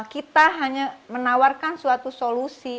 kita hanya menawarkan suatu solusi